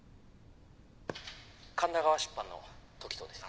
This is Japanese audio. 神田川出版の時任です。